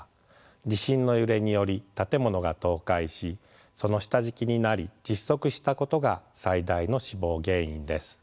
地震の揺れにより建物が倒壊しその下敷きになり窒息したことが最大の死亡原因です。